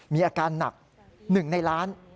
มีอาการหนัก๑ในล้าน